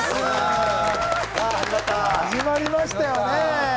始まりましたよね。